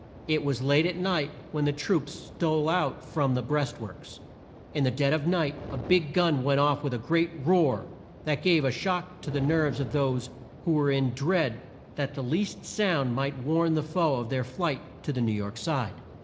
It was late at night when the troops stole out from the breast works. In the dead of night a big gun went off with a great roar, that gave a shock to the nerves of those who were in dread that the least sound might warn the foe of their flight to the New York side.